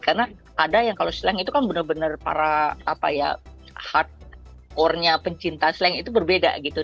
karena ada yang kalau slang itu kan benar benar para apa ya hardcore nya pencinta slang itu berbeda gitu